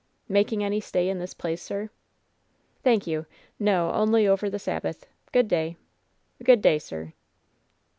Making any stay in this place, sir ?" "Thank you. No, only over the Sabbath. Good day. "Good day, sir.''